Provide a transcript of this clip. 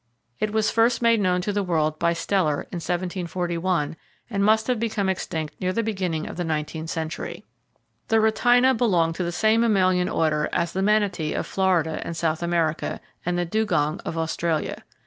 It was first made known to the world by Steller, in 1741, and must have become extinct near the beginning of the nineteenth century. The rhytina belonged to the same mammalian Order as the manatee of Florida and South America, and the dugong of Australia.